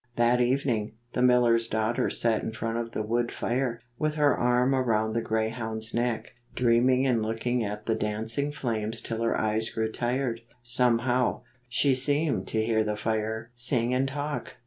That evening, the millers daughter sat in front of the wood fire, with her arm around the grey hound's neck, dreaming and looking at the dancing flames till her eyes grew tired. Some how, she seemed to hear the fire sing and talk.